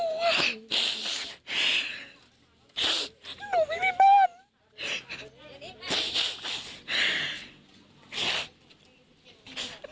หนูไม่มีป้น